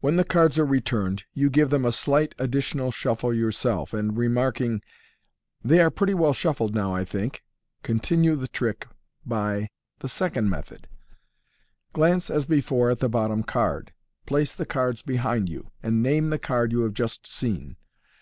When the cards are returned, you give them a slight addi MODERN MAGIC. n tional shuffle yourself, and remarking, "They are pretty well shuffled now, I think," continue the trick by the Second Method. — Glance, as before, at the bottom card. Place the cards behind you, and name the card you have just seen.